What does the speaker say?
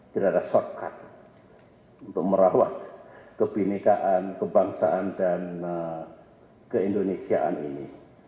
tidak ada shortcut untuk merawat kebenekaan kebangsaan dan keindonesiaan ini